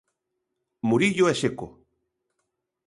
Murillo e Seco.